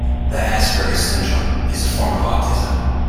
The Asperger syndrome is a form of autism.